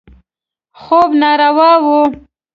خوب ناروا و.